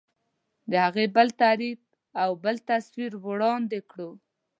د هغې بل تعریف او بل تصویر وړاندې کړو.